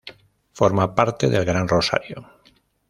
Forma parte del Gran Rosario.